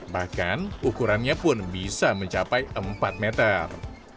bahkan ukurannya pun bisa mencapai empat meter